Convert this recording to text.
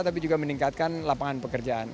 tapi juga meningkatkan lapangan pekerjaan